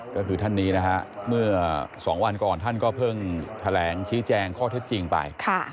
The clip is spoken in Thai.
ก็คือท่านนี้นะฮะเมื่อ๒วันก่อนท่านก็เพิ่งแถลงชี้แจงข้อเท็จจริงไป